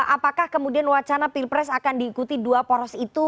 apakah kemudian wacana pilpres akan diikuti dua poros itu